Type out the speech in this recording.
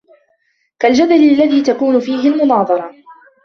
كَالْجَدَلِ الَّذِي تَكُونُ فِيهِ الْمُنَاظَرَةُ